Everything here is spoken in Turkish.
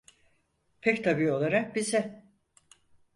Pek tabii olarak bize…